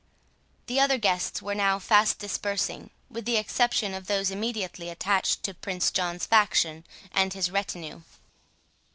The other guests were now fast dispersing, with the exception of those immediately attached to Prince John's faction, and his retinue.